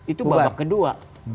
itu babak kedua